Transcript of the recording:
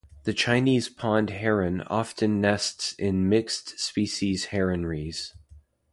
The Chinese pond heron often nests in mixed-species heronries.